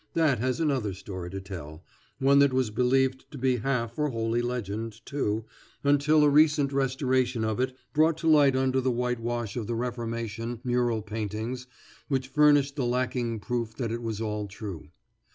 That has another story to tell, one that was believed to be half or wholly legend, too, until a recent restoration of it brought to light under the whitewash of the reformation mural paintings which furnished the lacking proof that it was all true.